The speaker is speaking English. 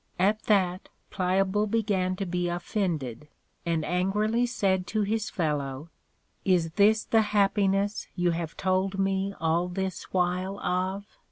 At that Pliable began to be offended, and angerly said to his fellow, Is this the happiness you have told me all this while of?